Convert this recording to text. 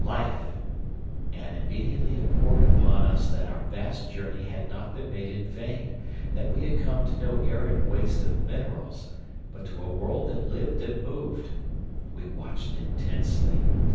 _" "Life!" And immediately it poured upon us that our vast journey had not been made in vain, that we had come to no arid waste of minerals, but to a world that lived and moved! We watched intensely.